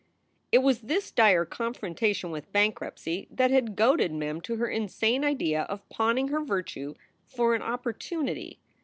It was this dire confrontation with bankruptcy that had goaded Mem to her insane idea of pawning her virtue for an opportunity.